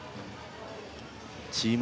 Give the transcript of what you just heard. チーム